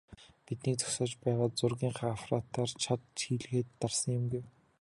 "Биднийг зогсоож байгаад зургийнхаа аппаратаар чад хийлгээд дарсан юм" гэв.